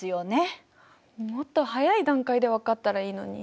もっと早い段階で分かったらいいのに。